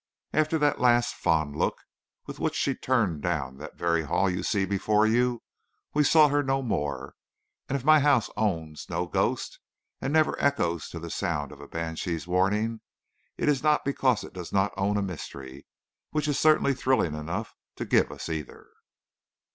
After that last fond look with which she turned down that very hall you see before you, we saw her no more; and if my house owns no ghost and never echoes to the sound of a banshee's warning, it is not because it does not own a mystery which is certainly thrilling enough to give us either."